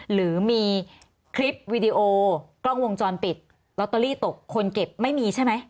หรือมีคลิปวีดีโอกล้องวงจรปิดลอตเตอรี่ตกคนเก็บไม่มีใช่ไหม